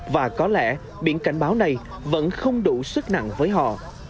và có lẽ biển cảnh báo này vẫn không đủ sức nặng với họ